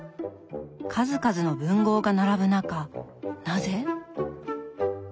数々の文豪が並ぶ中なぜ？